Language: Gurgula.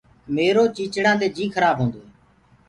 ميرو چيچڙآندي جي کرآب هوندو هي۔